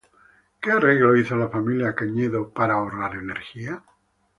¿Qué arreglos hizo la familia Cañedo para ahorrar energía?